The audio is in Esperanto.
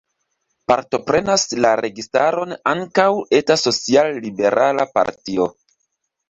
Partoprenas la registaron ankaŭ eta social-liberala partio.